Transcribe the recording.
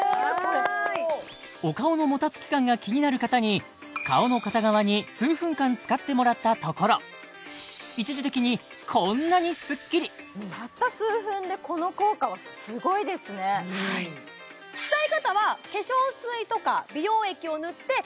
お顔のもたつき感が気になる方に顔の片側に数分間使ってもらったところ一時的にこんなにスッキリたった数分でこの効果はすごいですねはいあっ！